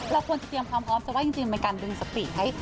เราควรจะเตรียมความพร้อมจะว่าจริงเป็นการดึงสติให้